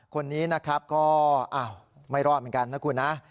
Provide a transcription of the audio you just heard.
คนนี้นะครับก็ไม่รอดเหมือนกันนะคุณนะ